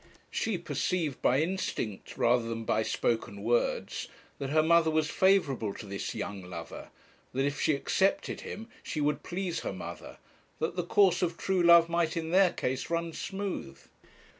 She perceived by instinct, rather than by spoken words, that her mother was favourable to this young lover, that if she accepted him she would please her mother, that the course of true love might in their case run smooth.